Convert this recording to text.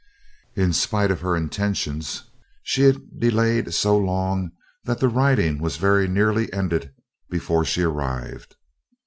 In spite of her intentions, she had delayed so long that the riding was very nearly ended before she arrived.